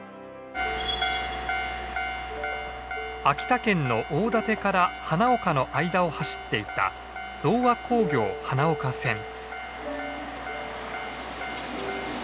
秋田県の大館から花岡の間を走っていた同和鉱業花岡線。